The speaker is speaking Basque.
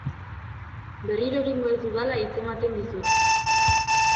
Berriro egingo ez dudala hitzematen dizut.